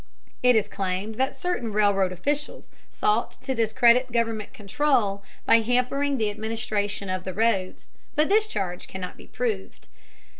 (It is claimed that certain railroad officials sought to discredit government control by hampering the administration of the roads, but this charge cannot be proved.)